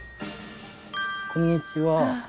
こんにちは。